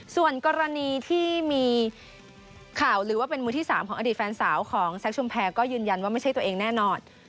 ส่วนกรณีที่มีข่าวหรือว่าเป็นมือที่๓ของอดีตแฟนสาวของแซคชุมแพรก็ยืนยันว่าไม่ใช่ตัวเองแน่นอน